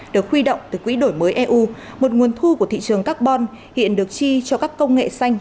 được huy động từ quỹ đổi mới eu một nguồn thu của thị trường carbon hiện được chi cho các công nghệ xanh